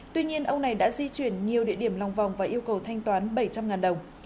tuy nhiên ông này đã di chuyển nhiều địa điểm lòng vòng và yêu cầu thanh toán bảy trăm linh đồng